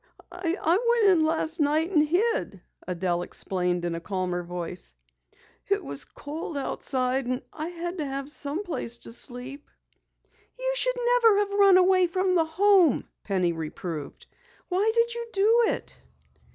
"I went inside last night and hid," Adelle explained in a calmer voice. "It was cold outside and I had to have some place to sleep." "You never should have run away from the Home," Penny reproved. "Why did you do it?"